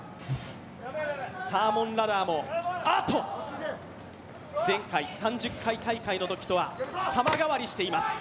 サーモンラダーも、前回３０回大会のときとは様変わりしています。